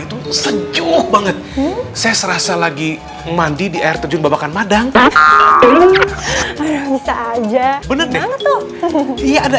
itu sejuk banget saya serasa lagi mandi di air terjun babakan madang bisa aja bener banget tuh iya ada